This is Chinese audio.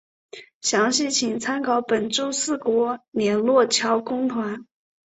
详细请参考本州四国联络桥公团。